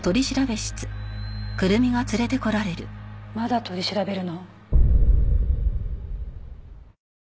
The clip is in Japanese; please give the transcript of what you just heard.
まだ取り調べるの？